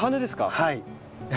はい。